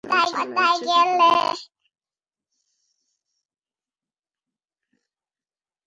সবসময় খেলায় চুরি করে!